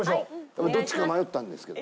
どっちか迷ったんですけど。